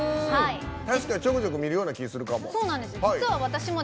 確かにちょくちょく見るような気するかも。